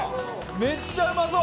めっちゃうまそう！